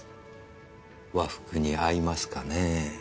和服に合いますかねぇ。